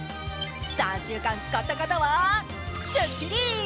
３週間使った方は、スッキリ！